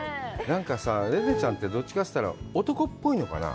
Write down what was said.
なんか玲奈ちゃんって、どっちかといったら男っぽいのかな。